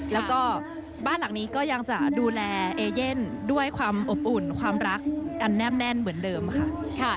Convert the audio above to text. แล้วก็บ้านหลังนี้ก็ยังจะดูแลเอเย่นด้วยความอบอุ่นความรักอันแนบแน่นเหมือนเดิมค่ะ